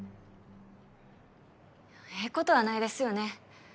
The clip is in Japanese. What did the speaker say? ええことはないですよね